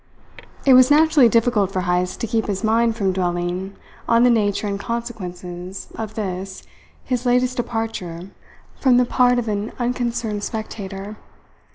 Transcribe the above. It was naturally difficult for Heyst to keep his mind from dwelling on the nature and consequences of this, his latest departure from the part of an unconcerned spectator.